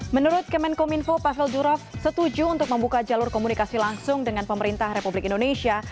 menurut kemenkominfo pavel durov setuju untuk membuka jalur komunikasi langsung dengan pemerintah republik indonesia